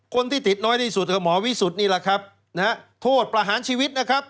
คนที่ติดน้อยที่สุดกับหมอวิสุทธิ์นี่แหละครับนะฮะโทษประหารชีวิตนะครับ